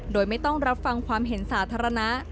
โดยไม่ต้องรับฟังความเห็นสาธารณะ